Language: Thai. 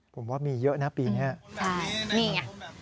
ผมว่ามีเยอะนะปีนี้